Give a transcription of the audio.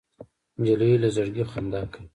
نجلۍ له زړګي خندا کوي.